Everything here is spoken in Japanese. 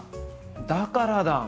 だからだ。